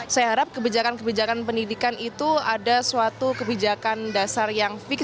saya harap kebijakan kebijakan pendidikan itu ada suatu kebijakan dasar yang fix